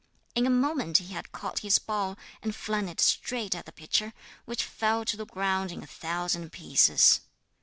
In a moment he had caught his ball and flung it straight at the pitcher, which fell to the ground in a thousand pieces.